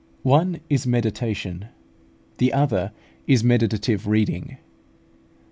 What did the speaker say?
One is Meditation, the other is Meditative Reading.